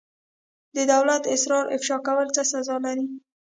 د دولت اسرار افشا کول څه سزا لري؟